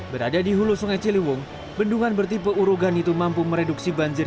berada di hulu sungai ciliwung bendungan bertipe urogan itu mampu mereduksi banjir